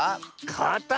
「かた」？